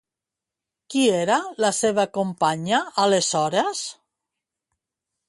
Qui era la seva companya aleshores?